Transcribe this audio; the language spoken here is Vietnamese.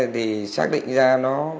thì xác định ra nó